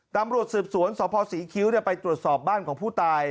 ตำรวจสืบสวนสพศรีคิ้วไปตรวจสอบบ้านของผู้ตาย